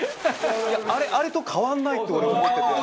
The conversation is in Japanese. あれと変わんないって俺思ってて。